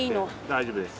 大丈夫です。